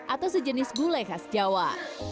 atau sejenis gulai khas jawa